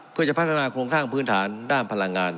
เพื่อจะพัฒนาโครงสร้างพื้นฐานด้านพลังงาน